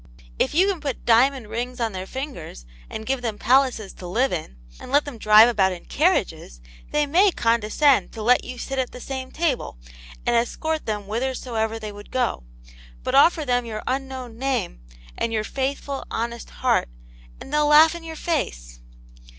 If you can put diamond rings on their fingers, and give them palaces to live in, and let them drive about in carriages, they may condescend to let you sit at the same table, and escort them whitherso ever they would gcf. But offer them your unknown name, and your faithful, honest heart, and they'll laugh in your face